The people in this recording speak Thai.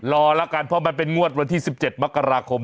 ละกันเพราะมันเป็นงวดวันที่๑๗มกราคม